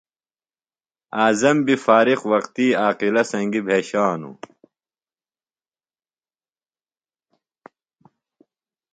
اعظم بیۡ فارغ وختیۡ عاقلہ سنگیۡ بھیشانوۡ۔